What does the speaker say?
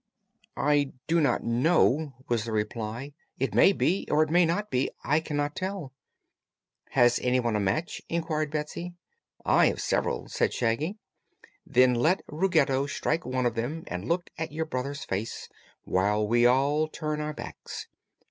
"I do not know," was the reply. "It may be, or it may not be. I cannot tell." "Has anyone a match?" inquired Betsy. "I have several," said Shaggy. "Then let Ruggedo strike one of them and look at your brother's face, while we all turn our backs.